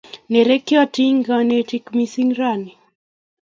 Nerekyotin kanetik missing' rani